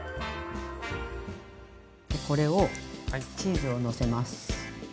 でこれをチーズをのせます。